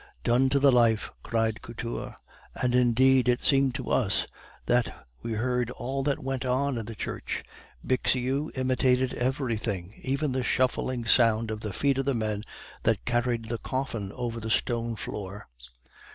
'" "Done to the life!" cried Couture. And indeed it seemed to us that we heard all that went on in the church. Bixiou imitated everything, even the shuffling sound of the feet of the men that carried the coffin over the stone floor.